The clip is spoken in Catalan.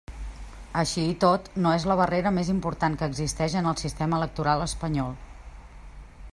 Així i tot, no és la barrera més important que existeix en el sistema electoral espanyol.